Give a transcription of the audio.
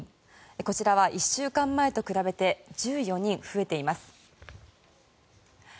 こちらは１週間前と比べて１４人増えています。